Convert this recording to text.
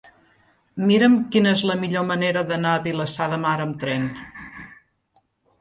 Mira'm quina és la millor manera d'anar a Vilassar de Mar amb tren.